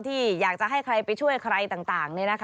ที่อยากจะให้ใครไปช่วยใครต่าง